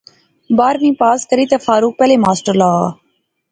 بارہویں پاس کری تے فاروق پہلے ماسٹر لاغا